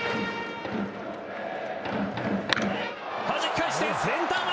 はじき返してセンター前！